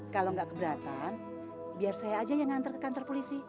kalau nggak keberatan biar saya aja yang ngantar ke kantor polisi